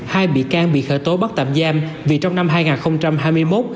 hai bị can bị khởi tố bắt tạm giam vì trong năm hai nghìn hai mươi một